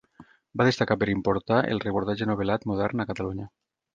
Va destacar per importar el reportatge novel·lat, modern, a Catalunya.